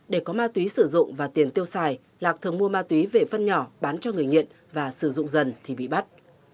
để có ma túy sử dụng và tiền tiêu xài lạc thường mua ma túy về phân nhỏ bán cho người nghiện và sử dụng dần thì bị bắt